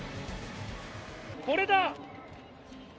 これだ。